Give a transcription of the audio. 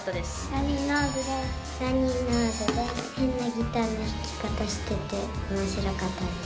変なギターの弾き方してて面白かったです。